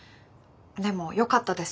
でもよかったです